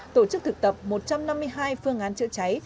tổ chức thực tập một trăm năm mươi hai phương án chữa cháy